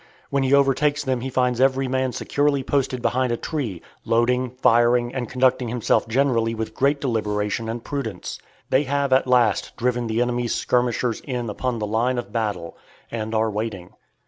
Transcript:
When he overtakes them he finds every man securely posted behind a tree, loading, firing, and conducting himself generally with great deliberation and prudence. They have at last driven the enemy's skirmishers in upon the line of battle, and are waiting.